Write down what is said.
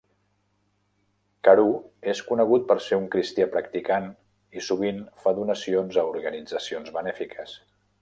Carew és conegut per ser un cristià practicant i sovint fa donacions a organitzacions benèfiques.